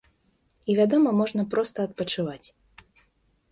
І, вядома, можна проста адпачываць.